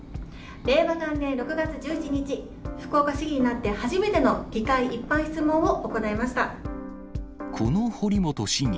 令和元年６月１７日、福岡市議になって初めての議会一般質問を行この堀本市議、